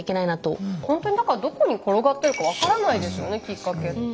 ほんとにだからどこに転がってるか分からないですよねきっかけって。